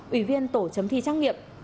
ủy viên tổ chấm thi trang nghiệp